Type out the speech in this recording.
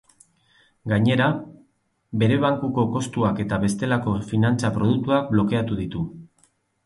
Gainera, bere bankuko kontuak eta bestelako finantza produktuak blokeatu ditu.